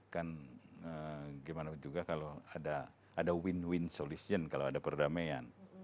kan gimana juga kalau ada win win solution kalau ada perdamaian